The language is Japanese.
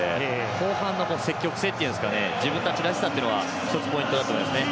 後半の積極性といいますか自分たちらしさっていうのは１つ、ポイントだと思いますね。